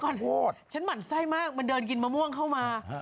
เดี๋ยวค่ะฉันหมั่นไส้มากมาเดินกินมะม่วงเข้ามา